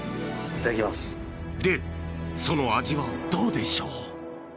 で、その味はどうでしょう？